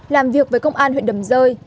làm việc với công an huyện đầm rơi